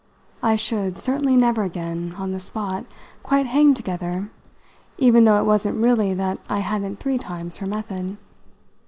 I should certainly never again, on the spot, quite hang together, even though it wasn't really that I hadn't three times her method.